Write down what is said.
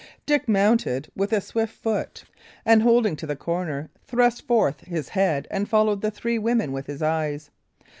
Dick mounted with a swift foot, and holding to the corner, thrust forth his head and followed the three women with his eyes.